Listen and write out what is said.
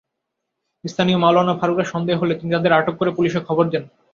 স্থানীয় মাওলানা ফারুকের সন্দেহ হলে তিনি তাদের আটক করে পুলিশে খবর দেন।